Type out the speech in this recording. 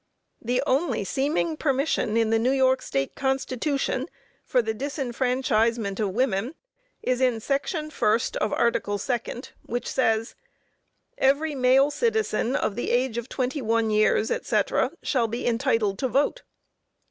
The only seeming permission in the New York State Constitution for the disfranchisement of women is in section 1st of article 2d, which says: "Every male citizen of the age of twenty one years, &c., shall be entitled to vote."